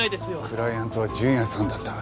クライアントは純也さんだった。